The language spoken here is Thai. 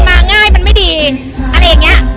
มาง่ายมันไม่ดีอะไรอย่างนี้